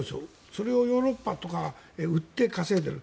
それをヨーロッパとかに売って稼いでいる。